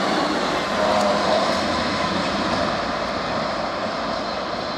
Ɛerqeɣ.